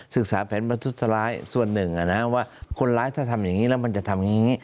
ศึกษาแผนบรรทุษร้ายส่วนหนึ่งว่าคนร้ายถ้าทำอย่างนี้แล้วมันจะทำอย่างนี้